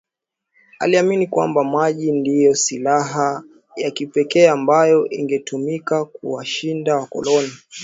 aliamini kwamba maji ndiyo silaha ya kipekee ambayo ingetumika kuwashinda wakoloni